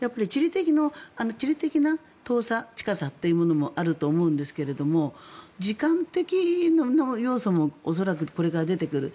地理的な遠さ、近さというものもあると思うんですが時間的な要素も恐らくこれから出てくる。